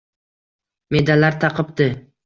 Medallar taqibdi